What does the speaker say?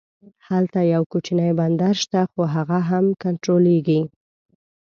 هلته یو کوچنی بندر شته خو هغه هم کنټرولېږي.